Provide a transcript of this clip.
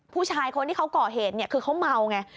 ผู้ชายคนที่เขาก่อเหตุเนี่ยคือเขาเมาไง